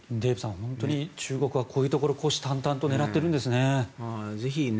本当に中国はこういうところを虎視眈々と狙っているんですね。